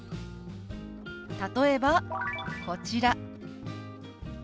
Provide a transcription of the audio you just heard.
例えばこちら。